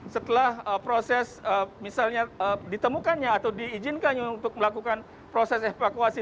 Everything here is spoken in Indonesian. setelah proses misalnya ditemukannya atau diizinkannya untuk melakukan proses evakuasi